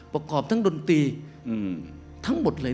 ประกอบทั้งดนตรีทั้งหมดเลย